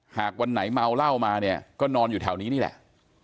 หากวันไหนเมาเหล้ามาเนี่ยก็นอนอยู่แถวนี้นี่แหละ